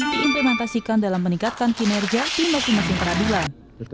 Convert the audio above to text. diimplementasikan dalam meningkatkan kinerja di masing masing peradilan